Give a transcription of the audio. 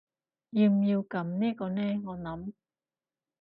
要唔要撳呢個呢我諗